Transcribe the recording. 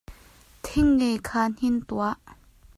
Thingnge kha hnin tuah.